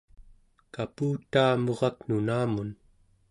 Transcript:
kaputaa murak nunamun